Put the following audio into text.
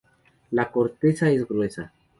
La corteza es gruesa.